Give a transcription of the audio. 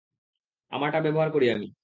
আমারটা ব্যবহার করি আমি।